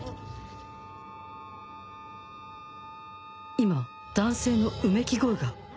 今男性のうめき声が